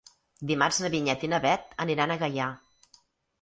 Dimarts na Vinyet i na Bet aniran a Gaià.